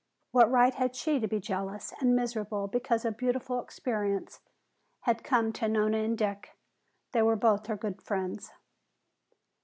What right had she to be jealous and miserable because a beautiful experience had come to Nona and Dick? They were both her good friends.